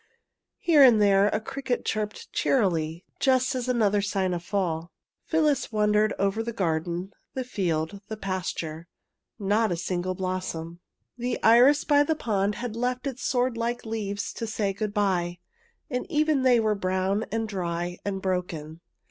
Here and there a cricket chirped cheerily just as another sign of fall. Phyllis wandered over the garden, the field, the pasture. Not a single blossom. The iris 231 232 THE FRINGED GENTIAN by the pond had left its swordlike leaves to say good bye, and even they were brown and dry and broken.